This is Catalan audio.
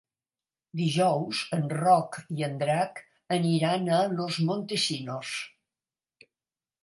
Dijous en Roc i en Drac aniran a Los Montesinos.